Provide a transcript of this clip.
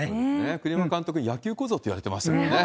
栗山監督、野球小僧って言われてましたからね。